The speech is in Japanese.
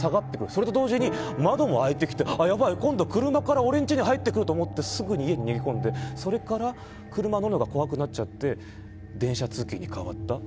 それと同時に窓も開いてきてやばい、今度、車から俺の家に出てくると思ってすぐに家に逃げ込んでそれから車に乗るのが怖くなっちゃって電車通勤に変わった。